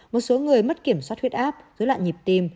một số người mất kiểm soát huyết áp dưới loạn nhịp tiêm